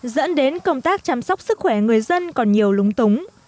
dẫn đến công tác chăm sóc sức khỏe người dân còn nhiều lúng túng